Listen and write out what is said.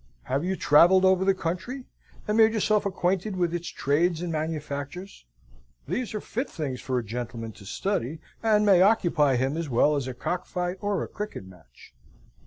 Have you travelled over the country, and made yourself acquainted with its trades and manufactures? These are fit things for a gentleman to study, and may occupy him as well as a cock fight or a cricket match.